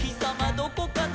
どこかな？」